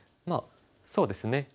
まあそうですね。